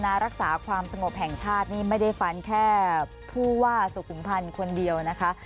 รักษาความสงบแห่งชาตินี่ไม่ได้ฟันแค่ผู้ว่าสุขุมพันธ์คนเดียวนะคะ